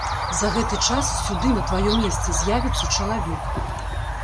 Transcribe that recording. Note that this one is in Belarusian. За гэты час сюды на тваё месца з'явіцца чалавек.